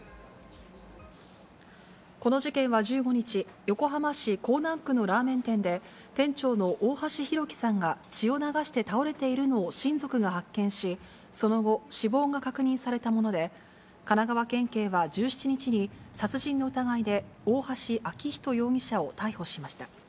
この事件は１５日、横浜市港南区のラーメン店で、店長の大橋弘輝さんが血を流して倒れているのを親族が発見し、その後、死亡が確認されたもので、神奈川県警は１７日に、殺人の疑いで大橋昭仁容疑者を逮捕しました。